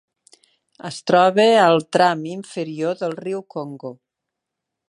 Es troba al tram inferior del riu Congo.